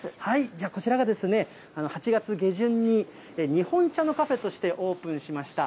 こちらが、８月下旬に日本茶のカフェとしてオープンしました、